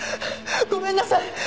ごめんなさい！